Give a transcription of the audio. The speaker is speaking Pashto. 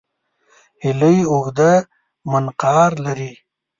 هیلۍ اوږده منقار لري